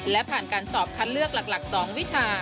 และผ่านการสอบคัดเลือกหลัก๒วิชา